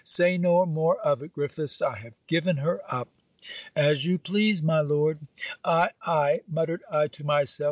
Say no more of it, Griffiths, I have given her up.' 'As you please, my Lord.' 'Ay! ay!' muttered I to myself.